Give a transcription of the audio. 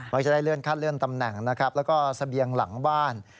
มักจะได้เลื่อนคาดเลื่อนตำแหน่งแล้วก็เสบียงหลังบ้าน